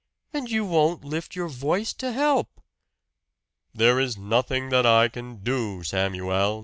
And you won't lift your voice to help!" "There is nothing that I can do, Samuel!"